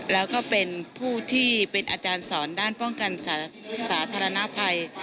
แล้วก็เป็นผู้ที่เป็นอาจารย์สอนด้านป้องกันสาธารณภัย